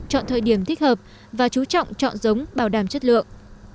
chọn thời điểm thích hợp và chú trọng chọn giống bảo đảm chất lượng